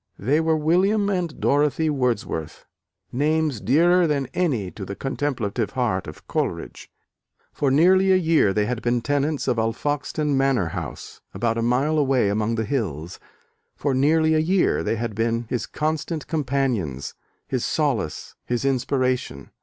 They were William and Dorothy Wordsworth: names dearer than any to the contemplative heart of Coleridge. For nearly a year they had been tenants of Alfoxden Manor house, about a mile away among the hills: for nearly a year they had been his constant companions, his solace, his inspiration.